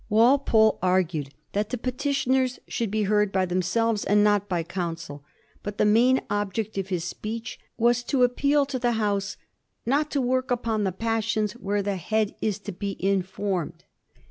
Walpole argued that the peti tioners should be beard by themselves and not by counsel ; but the main object of his speech was to appeal to the •the House ^^ not to work upon the passions where the head is to be informed."